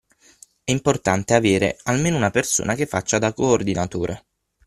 È importante avere almeno una persona che faccia da coordinatore.